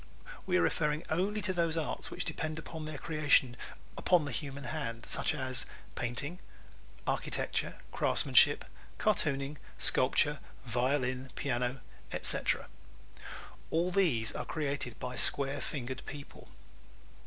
We are referring only to those arts which depend for their creation upon the human hand such as painting, architecture, craftsmanship, cartooning, sculpture, violin, piano, etc. _All these are created by square fingered people.